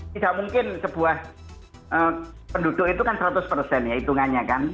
tidak mungkin sebuah penduduk itu kan seratus ya hitungannya kan